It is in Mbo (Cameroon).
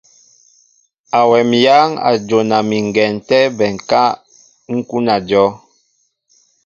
Awɛm éyáŋ a jona mi ŋgɛn tɛ́ bɛnká ń kúná ajɔ́w.